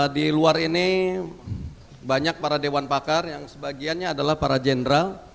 di luar ini banyak para dewan pakar yang sebagiannya adalah para jenderal